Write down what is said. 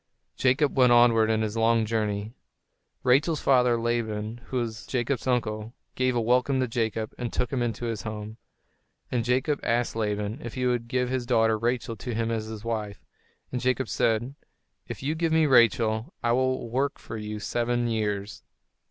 [Illustration: Jacob went onward in his long journey] Rachel's father, Laban, who was Jacob's uncle, gave a welcome to Jacob, and took him into his home. And Jacob asked Laban if he would give his daughter, Rachel, to him as his wife; and Jacob said, "If you give me Rachel, I will work for you seven years."